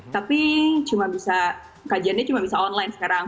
tapi kajiannya cuma bisa online sekarang